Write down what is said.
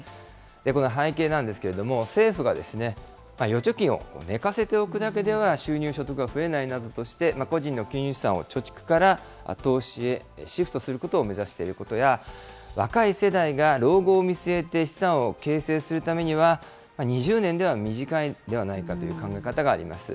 この背景なんですけれども、政府が預貯金を寝かせておくだけでは収入、所得は増えないなどとして、個人の金融資産を貯蓄から投資へシフトすることを目指していることや、若い世代が老後を見据えて資産を形成するためには、２０年では短いのではないかという考え方があります。